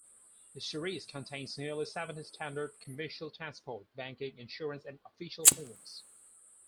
The series contains nearly seventy standard commercial, transport, banking, insurance and official forms.